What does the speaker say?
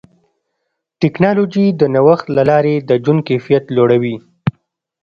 ټکنالوجي د نوښت له لارې د ژوند کیفیت لوړوي.